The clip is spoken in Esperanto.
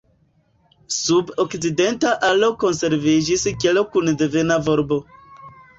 Sub okcidenta alo konserviĝis kelo kun devena volbo.